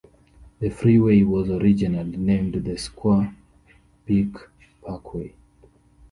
The freeway was originally named the Squaw Peak Parkway.